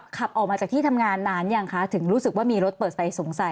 ขับออกมาจากที่ทำงานนานยังคะถึงรู้สึกว่ามีรถเปิดไฟสงสัย